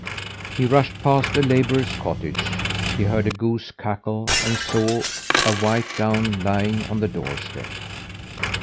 As he rushed past a labourer's cottage, he heard a goose cackle, and saw a white down lying on the doorstep.